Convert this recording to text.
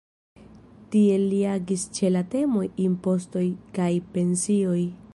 Tiel li agis ĉe la temoj impostoj kaj pensioj.